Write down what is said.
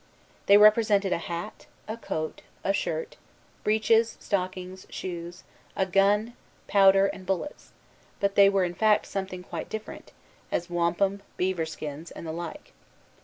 They represented a hat, a coat, a shirt, breeches, stockings, shoes, a gun, powder, and bullets; but they were in fact something quite different, as wampum, beaver skins, and the like.